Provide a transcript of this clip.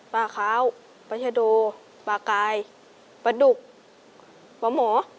ปลาขาวปัชโดปลากายปลาดุกปลาหมอ